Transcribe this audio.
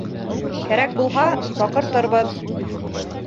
Кәрәк булһа, саҡыртырбыҙ.